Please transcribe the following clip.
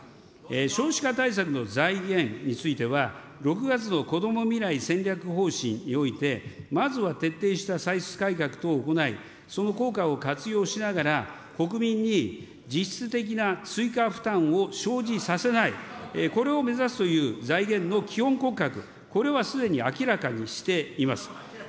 少子化対策の財源については、６月のこども未来戦略方針において、まずは徹底した歳出改革等を行い、その効果を活用しながら、国民に実施的な追加負担を生じさせない、これを目指すという、財源の基本骨格、これはすでに明らかにしています。